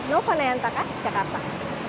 novo niantaka jakarta